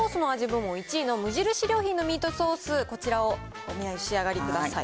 部門１位の無印良品のミートソース、こちらをお召し上がりください。